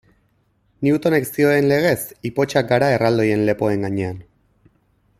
Newtonek zioen legez, ipotxak gara erraldoien lepoen gainean.